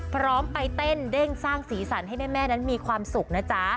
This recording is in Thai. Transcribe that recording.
พร้อมไปเต้นเด้งสร้างสีสันให้แม่นั้นมีความสุขนะจ๊ะ